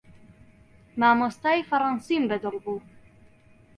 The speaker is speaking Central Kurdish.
مامۆستای فەڕەنسیم بەدڵ بوو.